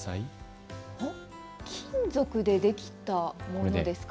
金属でできたものですか。